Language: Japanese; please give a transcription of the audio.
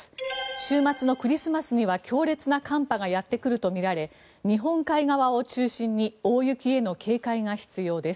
週末のクリスマスには強烈な寒波がやってくるとみられ日本海側を中心に大雪への警戒が必要です。